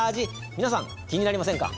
皆さん、気になりませんか？